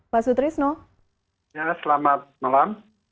pak sutrisno selamat malam